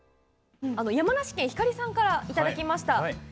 山梨県・ひかりさんからいただきました。